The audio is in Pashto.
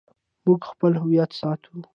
موږ خپل هویت ساتو